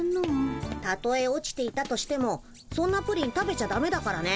たとえ落ちていたとしてもそんなプリン食べちゃダメだからね。